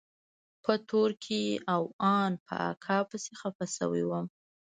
په تورکي او ان په اکا پسې خپه سوى وم.